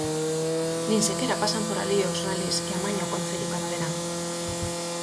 Nin sequera pasan por alí os rallies que amaña o concello cada verán.